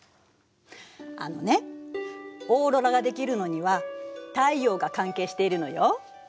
あのねオーロラが出来るのには太陽が関係しているのよ。